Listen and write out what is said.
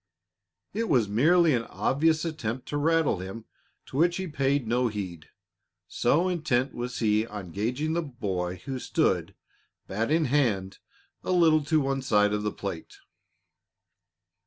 It was merely an obvious attempt to rattle him to which he paid no heed, so intent was he on gaging the boy who stood, bat in hand, a little to one side of the plate.